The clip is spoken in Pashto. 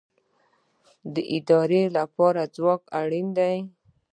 د ارادې لپاره ځواک اړین دی